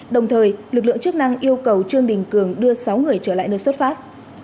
đồng thời lực lượng chức năng yêu cầu trương đình cường đưa sáu người trở lại nơi xuất phát